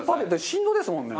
振動ですもんね。